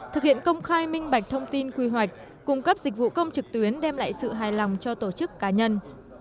thực hiện công khai minh bạch thông tin quy hoạch cung cấp dịch vụ công trực tuyến đem lại sự hài lòng cho tổ chức cá nhân